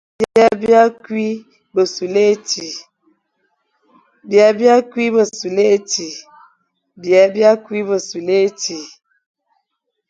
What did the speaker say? Byè bia kü besule éti,